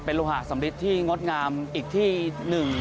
โลหะสำริดที่งดงามอีกที่หนึ่ง